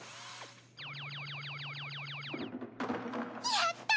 やった！